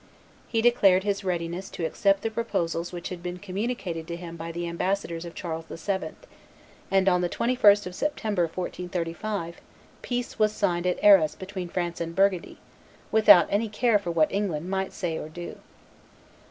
He declared his readiness to accept the proposals which had been communicated to him by the ambassadors of Charles VII.; and on the 21st of September, 1435, peace was signed at Arras between France and Burgundy, without any care for what England might say or do.